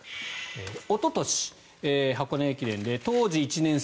おととし、箱根駅伝で当時１年生